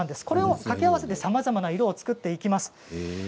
これを掛け合わせてさまざまな色を作っていきます。